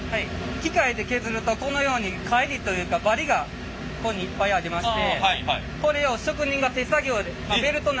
機械で削るとこのようにかえりというかバリがこういうふうにいっぱいありましてこれを職人が手作業でベルトなどを使って研磨していきます。